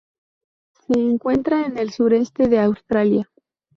Se encuentra en el sureste de Australia.